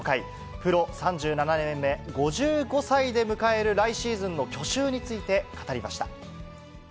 プロ３７年目、５５歳で迎える来シーズンの去就について語りました。